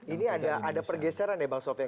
ini ada pergeseran ya bang sofian